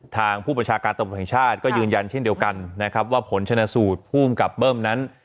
ทางผู้ประชาการต่อประถงชาติก็ยืนยันเช่นเดียวกันว่าผลชนะสูตรผู้กำกับเบิ้มนั้น